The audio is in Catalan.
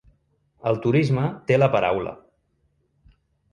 El turisme té la paraula.